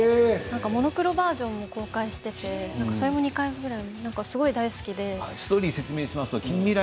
モノクロバージョンも公開していてそれも２回くらいすごく大好きで。